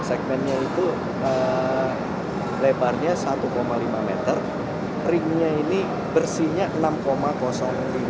segmentnya itu lebarnya satu lima meter ringnya ini bersihnya enam lima meter